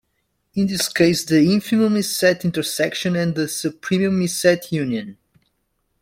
In this case, the infimum is set intersection, and the supremum is set union.